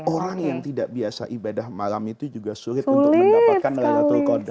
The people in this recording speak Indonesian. orang yang tidak biasa ibadah malam itu juga sulit untuk mendapatkan laylatul qadar